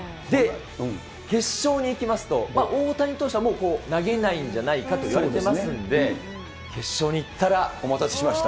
決勝にいきますと、大谷投手は投げないんじゃないかといわれてますんで、決勝にいっお待たせしました。